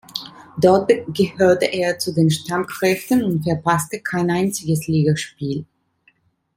Dort gehörte er zu den Stammkräften und verpasste kein einziges Ligaspiel.